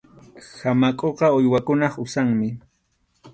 Hamakʼuqa uywakunap usanmi.